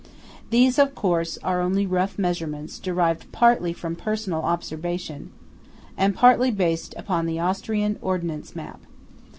These, of course, are only rough measurements derived partly from personal observation, and partly based upon the Austrian Ordnance Map.